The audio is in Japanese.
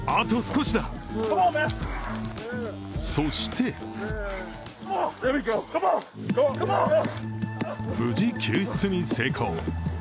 そして無事、救出に成功。